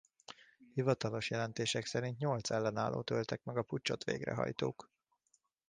Hivatalos jelentések szerint nyolc ellenállót öltek meg a puccsot végrehajtók.